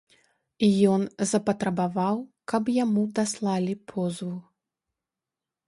Ён запатрабаваў, каб яму даслалі позву.